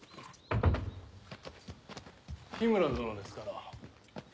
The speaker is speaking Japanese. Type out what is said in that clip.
緋村殿ですかな。